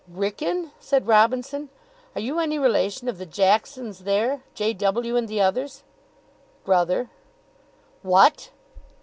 "Wrykyn?" said Robinson. "Are you any relation of the Jacksons there J. W. and the others?" "Brother." "What!"